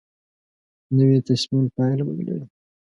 نوې تصمیم پایله بدلوي